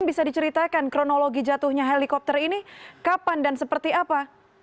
bisa diceritakan kronologi jatuhnya helikopter ini kapan dan seperti apa